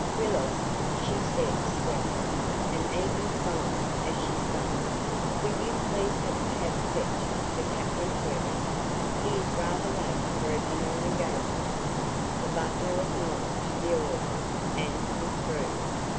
"Willis," she said sweetly and even smiled as she spoke "will you please have a cab fetched for Captain Carey? He is rather late for a dinner engagement." The butler acknowledged the order and withdrew.